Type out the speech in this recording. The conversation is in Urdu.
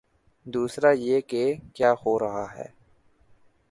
دوسرا یہ کہ کیا ہو رہا ہے۔